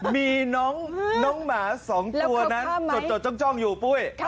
มีน้องหมา๒ตัวนั้นจดจ้องอยู่ปุ้ย